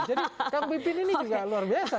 jadi kang pipin ini juga luar biasa